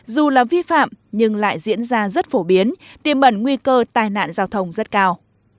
dù là vi phạm nhưng lại diễn ra rất phổ biến tiêm bẩn nguy cơ tai nạn giao thông rất cao